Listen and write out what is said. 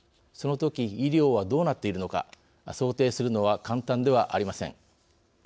そのとき医療はどうなっているのか想定するのは簡単ではありません。